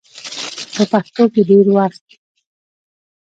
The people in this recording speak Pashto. په پښتو کې ډېر وخت